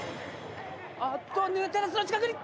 あっとニューテレスの近くに！